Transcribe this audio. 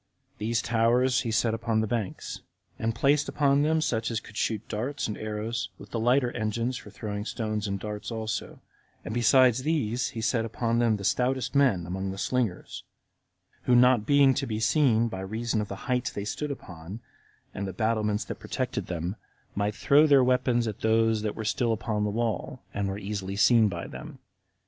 These towers he set upon the banks, and placed upon them such as could shoot darts and arrows, with the lighter engines for throwing stones and darts also; and besides these, he set upon them the stoutest men among the slingers, who not being to be seen by reason of the height they stood upon, and the battlements that protected them, might throw their weapons at those that were upon the wall, and were easily seen by them.